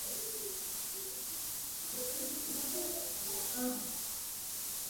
ომის შემდეგ მასში განათავსეს კომუნალური ბინები და განყოფილებები.